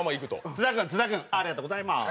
津田君津田君ありがとうございまーす。